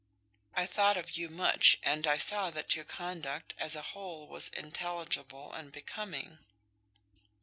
I thought of you much, and I saw that your conduct, as a whole, was intelligible and becoming."